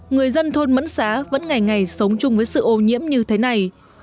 người dân thôn mẫn xá vẫn ngày ngày sống chung với sự ô nhiễm như thế này